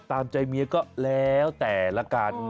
ตามใจเมียก็แล้วแต่ละกัน